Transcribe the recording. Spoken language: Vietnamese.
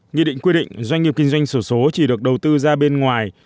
nghị định quy định doanh nghiệp kinh doanh sổ số chỉ được đầu tư ra bên ngoài